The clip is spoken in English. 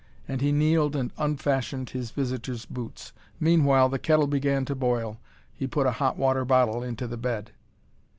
And he kneeled and unfastened his visitor's boots. Meanwhile the kettle began to boil, he put a hot water bottle into the bed.